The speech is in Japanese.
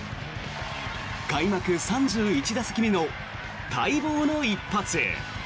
開幕３１打席目の待望の一発。